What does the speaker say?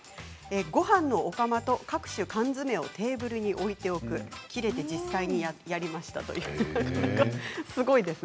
ごはんのお釜と各種缶詰をテーブルに置いておくきれて実際にやりましたということです。